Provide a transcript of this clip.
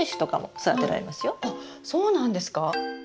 あっそうなんですか？